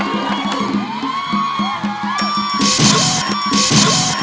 ถึงต้องพบให้เธอ